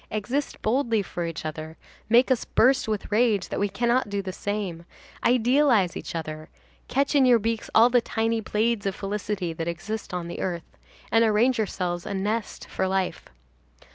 Exist boldly for each other, make us burst with rage that we cannot do the same, idealize each other, catch in your beaks all the tiny blades of felicity that exist on earth, and arrange yourselves a nest for life.